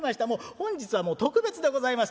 本日はもう特別でございます。